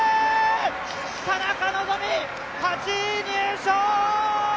田中希実、８位入賞！